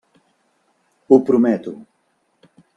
Ho prometo.